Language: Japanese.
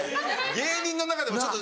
芸人の中でもちょっと。